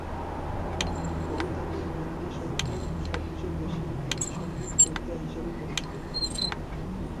কবিতাটি হিন্দি সাহিত্যে সবচেয়ে বেশি গীত সংগীত কবিতা হিসেবে পরিচিত।